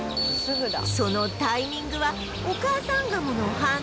そのタイミングはお母さんガモの判断で